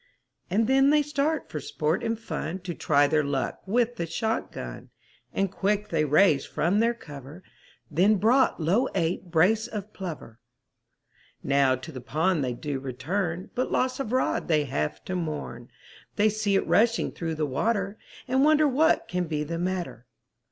And then they start for sport and fun, To try their luck with the shot gun, And quick they raised from their cover, Then brought low eight brace of plover. Now to the pond they do return, But loss of rod they have to mourn, They see it rushing through the water, And wonder what can be the matter.